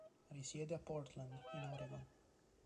Risiede a Portland, in Oregon.